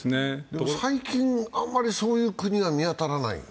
最近、あんまりそういう国が見当たらない。